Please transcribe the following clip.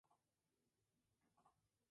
La iglesia no guarda un estilo propio definido.